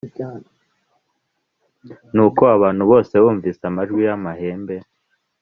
Nuko abantu bose bumvise amajwi y amahembe